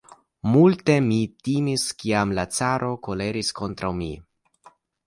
Multe mi timis, kiam la caro koleris kontraŭ mi!